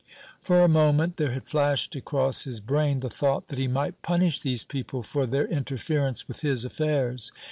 For a moment there had flashed across his brain the thought that he might punish these people for their interference with his affairs.